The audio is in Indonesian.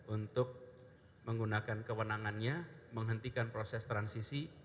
untuk menggunakan kewenangannya menghentikan proses transisi